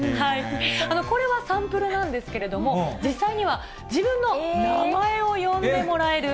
これはサンプルなんですけれども、実際には、自分の名前を呼んでもらえる。